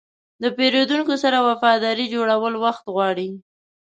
د پیرودونکو سره وفاداري جوړول وخت غواړي.